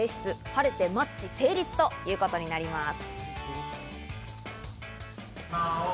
晴れてマッチ成立ということになります。